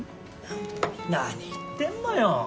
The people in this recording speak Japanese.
何言ってんのよ！